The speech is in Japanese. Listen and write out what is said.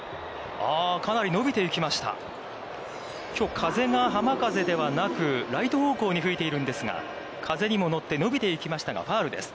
きょう風が浜風ではなく、ライト方向に吹いているんですが、風にも乗って伸びていきましたが、ファウルです。